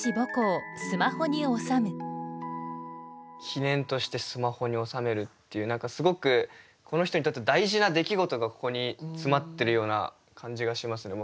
記念としてスマホに収めるっていう何かすごくこの人にとって大事な出来事がここに詰まってるような感じがしますね